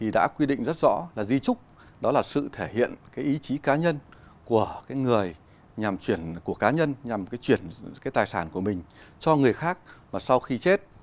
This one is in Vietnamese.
đã quy định rất rõ là di trúc đó là sự thể hiện ý chí cá nhân của người nhằm chuyển tài sản của mình cho người khác sau khi chết